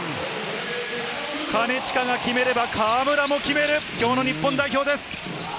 金近が決めれば河村も決める、今日の日本代表です。